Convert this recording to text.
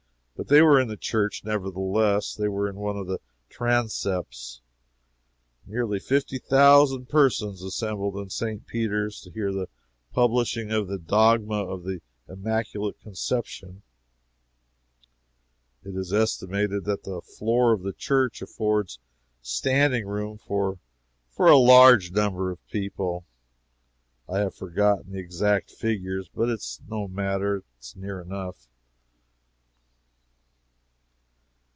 But they were in the church, nevertheless they were in one of the transepts. Nearly fifty thousand persons assembled in St. Peter's to hear the publishing of the dogma of the Immaculate Conception. It is estimated that the floor of the church affords standing room for for a large number of people; I have forgotten the exact figures. But it is no matter it is near enough.